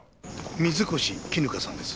水越絹香さんです。